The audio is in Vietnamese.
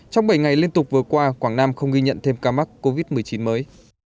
trong bảy ngày liên tục vừa qua quảng nam không ghi nhận thêm ca mắc covid một mươi chín mới